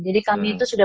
jadi kami itu sudah